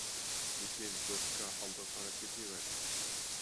لېكىن، «دوسكا» ئالغا قاراپ كېتىۋەردى،